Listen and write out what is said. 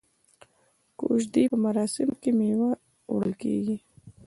د کوژدې په مراسمو کې میوه وړل کیږي.